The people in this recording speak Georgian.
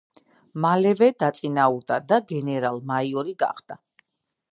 მალევე, დაწინაურდა და გენერალ-მაიორი გახდა.